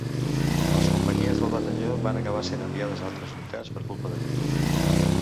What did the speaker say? Les companyies del batalló van acabar sent enviades a altres unitats per culpa d’allò.